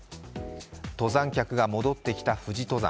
登山客が戻ってきた富士登山。